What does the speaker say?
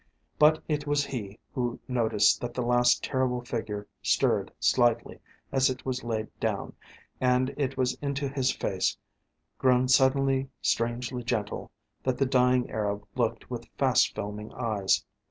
But it was he who noticed that the last terrible figure stirred slightly as it was laid down, and it was into his face, grown suddenly strangely gentle, that the dying Arab looked with fast filming eyes.